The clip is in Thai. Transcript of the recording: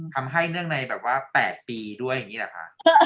ทำให้ด้วยในแบบว่า๘ปีด้วยค่ะ